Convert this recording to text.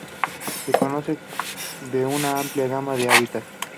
Se conoce de una amplia gama de hábitats.